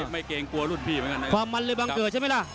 ไม่เกรงกวนรุ่นพี่